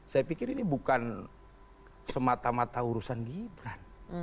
saya pikir ini bukan semata mata urusan gibran